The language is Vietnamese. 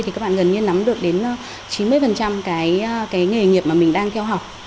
thì các bạn gần như nắm được đến chín mươi cái nghề nghiệp mà mình đang theo học